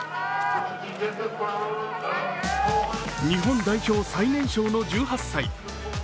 日本代表最年少の１８歳。